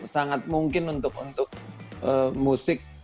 sangat mungkin untuk musik